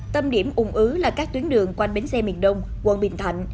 tâm điểm ủng ứ là các tuyến đường quanh bến xe miền đông quận bình thạnh